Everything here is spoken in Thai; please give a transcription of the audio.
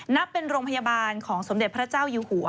นับเป็นโรงพยาบาลของสมเด็จพระเจ้าอยู่หัว